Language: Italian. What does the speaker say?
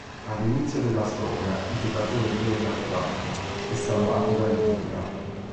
All'inizio della storia, il giocatore viene catturato, e salvato da Elvira.